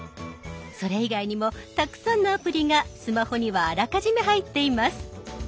それ以外にもたくさんのアプリがスマホにはあらかじめ入っています。